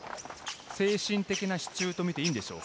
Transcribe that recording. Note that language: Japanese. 精神的な支柱とみていいでしょうか？